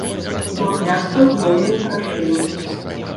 Махлярства з новымі грашыма.